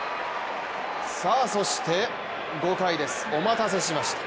そして５回です、お待たせしました。